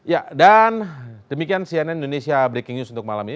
ya dan demikian cnn indonesia breaking news untuk malam ini